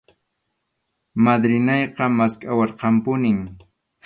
Madrinayqa maskhawarqanpunim.